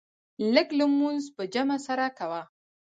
لږ لمونځ په جمع سره کوه.